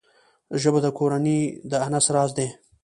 ژبه د کورنۍ د انس راز دی